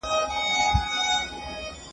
لويه جرګه د سولي پر تړون غور کوي.